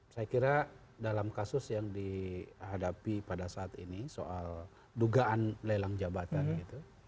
saya kira dalam kasus yang dihadapi pada saat ini soal dugaan lelang jabatan gitu